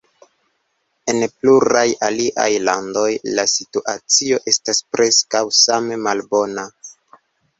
En pluraj aliaj landoj la situacio estas preskaŭ same malbona.